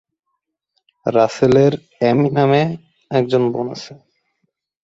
রাসেলের অ্যামি নামে একজন বোন আছে।